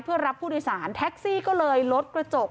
เพื่อรับผู้โดยสารแท็กซี่ก็เลยลดกระจก